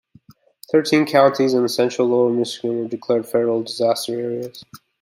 Thirteen counties in Central Lower Michigan were declared federal disaster areas.